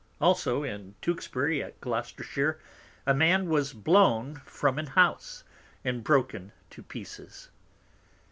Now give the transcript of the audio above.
Also at Tewksbury in Gloucestershire, a Man was blown from an House, and broken to Pieces.